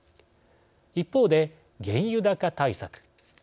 一方で原油高対策。